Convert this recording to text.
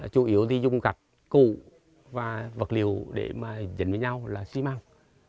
chủ yếu thì dùng gạch cụ và vật liệu để mà dịch với nhau là xi măng